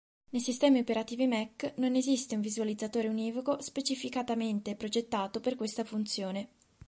Nei sistemi operativi Mac non esiste un visualizzatore univoco specificatamente progettato per questa funzione.